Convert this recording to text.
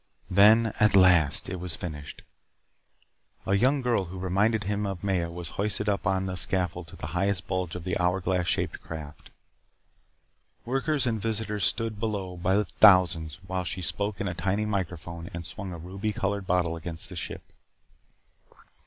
Then, at last, it was finished. A young girl who reminded him of Maya was hoisted up on a scaffold to the highest bulge of the hour glass shaped craft. Workers and visitors stood below by the thousands while she spoke into a tiny microphone and swung a ruby colored bottle against the ship.